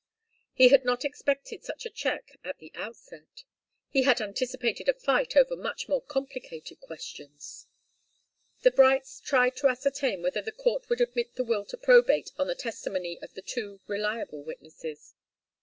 He had not expected such a check at the outset. He had anticipated a fight over much more complicated questions. The Brights tried to ascertain whether the court would admit the will to probate on the testimony of the two reliable witnesses.